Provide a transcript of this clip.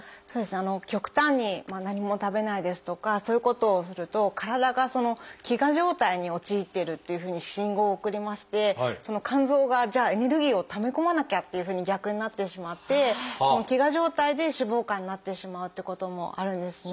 極端に何も食べないですとかそういうことをすると体が飢餓状態に陥っているっていうふうに信号を送りまして肝臓がじゃあエネルギーをため込まなきゃっていうふうに逆になってしまって飢餓状態で脂肪肝になってしまうってこともあるんですね。